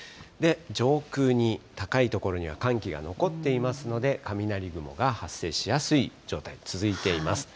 上空に高い所には、寒気が残っていますので、雷雲が発生しやすい状態、続いています。